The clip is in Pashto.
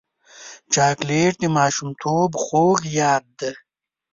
چاکلېټ د ماشومتوب خوږ یاد دی.